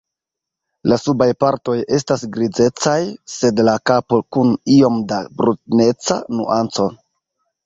La subaj partoj estas grizecaj, sed la kapo kun iom da bruneca nuanco.